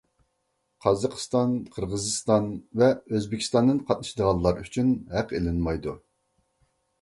قازاقىستان، قىرغىزىستان ۋە ئۆزبېكىستاندىن قاتنىشىدىغانلار ئۈچۈن ھەق ئېلىنمايدۇ.